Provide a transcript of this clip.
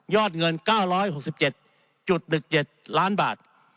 เงิน๙๖๗๑๗ล้านบาท